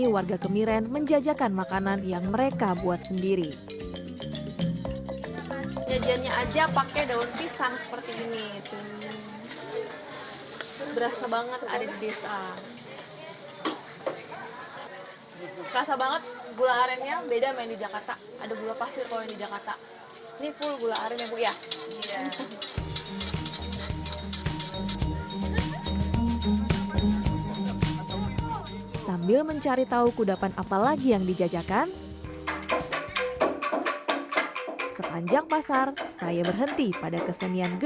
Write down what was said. saya melanjutkan wisata di desa ini dengan berjalan jalan di permokiman rumah adat suku osing